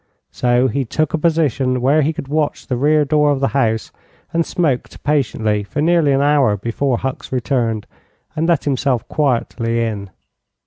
So he took a position where he could watch the rear door of the house and smoked patiently for nearly an hour before Hucks returned and let himself quietly in.